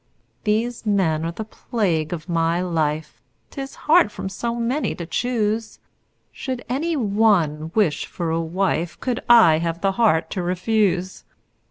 These men are the plague of my life: 'Tis hard from so many to choose! Should any one wish for a wife, Could I have the heart to refuse?